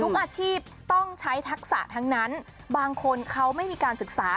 อาชีพต้องใช้ทักษะทั้งนั้นบางคนเขาไม่มีการศึกษา